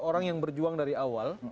orang yang berjuang dari awal